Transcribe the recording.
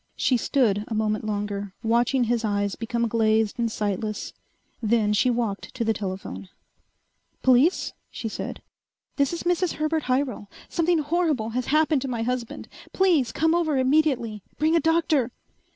She stood a moment longer, watching his eyes become glazed and sightless. Then she walked to the telephone. "Police?" she said. "This is Mrs. Herbert Hyrel. Something horrible has happened to my husband. Please come over immediately. Bring a doctor."